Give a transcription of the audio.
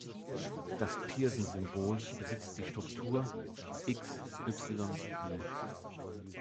Das Pearson-Symbol besitzt die Struktur "xY"i.